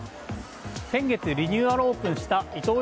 先月、リニューアルオープンしたイトー